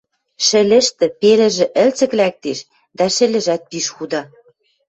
Шӹльӹштӹ пелӹжӹ ӹлцӹк лӓктеш, дӓ шӹльӹжӓт пиш худа...